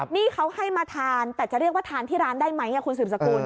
นี่เขาให้มาทานแต่จะเรียกว่าทานที่ร้านได้ไหมคุณสืบสกุล